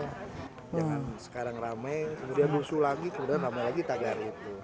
jangan sekarang ramai kemudian musuh lagi kemudian ramai lagi tagar itu